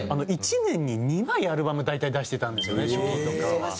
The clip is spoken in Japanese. １年に２枚アルバム大体出していたんですよね初期とかは。